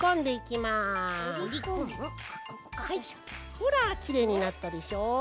ほらきれいになったでしょ。